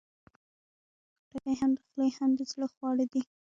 خټکی هم د خولې، هم د زړه خواړه دي.